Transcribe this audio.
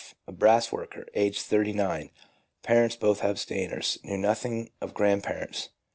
a brass worker, aged thirty nine. Parents both abstainers ; knew nothing of grandparents.